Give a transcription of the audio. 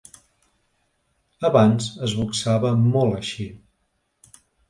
Abans es boxava molt així.